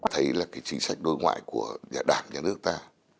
thấy là chính sách đối ngoại của đảng và nhà nước ta